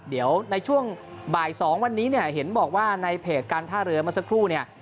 เดี๋ยวในช่วงบ่าย๒วันนี้เนี่ยเห็นบอกว่าในเพจการท่าเรือเมื่อสักครู่เนี่ย